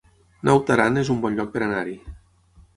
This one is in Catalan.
Naut Aran es un bon lloc per anar-hi